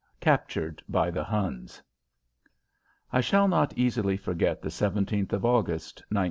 III CAPTURED BY THE HUNS I shall not easily forget the 17th of August, 1917.